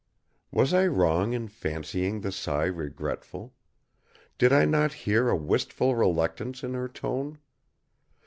Was I wrong in fancying the sigh regretful? Did I not hear a wistful reluctance in her tone?